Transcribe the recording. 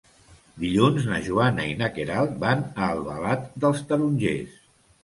Dilluns na Joana i na Queralt van a Albalat dels Tarongers.